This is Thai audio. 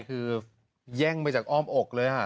คือแย่งไปจากอ้อมอกเลย